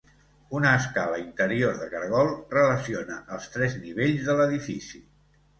Una escala interior de caragol relaciona els tres nivells de l'edifici.